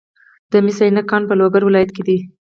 د مس عینک کان په لوګر ولایت کې دی.